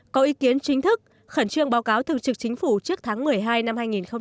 có ý kiến chính thức khẩn trương báo cáo thường trực chính phủ trước tháng một mươi hai năm hai nghìn hai mươi